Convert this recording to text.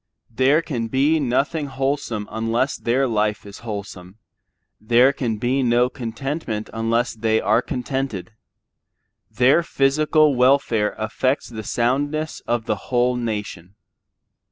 There can be nothing wholesome unless their life is wholesome; there can be no contentment unless they are contented. Their physical welfare affects the soundness of the whole nation.